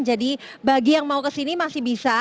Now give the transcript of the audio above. jadi bagi yang mau kesini masih bisa